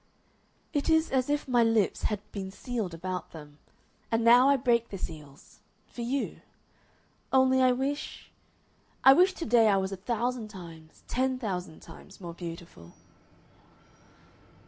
It is as if my lips had been sealed about them. And now I break the seals for you. Only I wish I wish to day I was a thousand times, ten thousand times more beautiful."